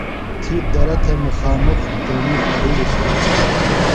تھی درہ تھہ مُخامُخ تیݨی درُڑیۡ سموم۔